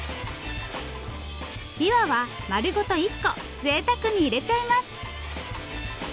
びわは丸ごと１個ぜいたくに入れちゃいます。